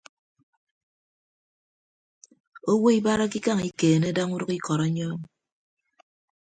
Owo ibarake ikañ ikeene daña udʌk ikọt ọnyọọñ.